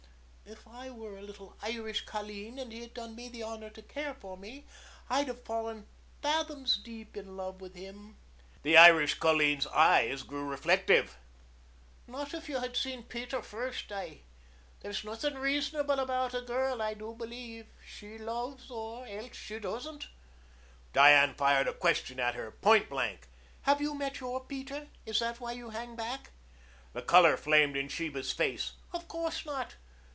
"If I were a little Irish colleen and he had done me the honor to care for me, I'd have fallen fathoms deep in love with him." The Irish colleen's eyes grew reflective. "Not if you had seen Peter first, Di. There's nothing reasonable about a girl, I do believe. She loves or else she just doesn't." Diane fired a question at her point blank. "Have you met your Peter? Is that why you hang back?" The color flamed into Sheba's face. "Of course not.